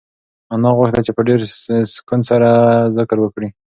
انا غوښتل چې په ډېر سکون سره ذکر وکړي.